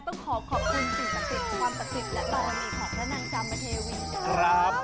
ต้องขอขอบคุณสิ่งสำคัญความสำคัญและบริษัท